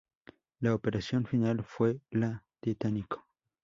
La operación final fue la Titánico.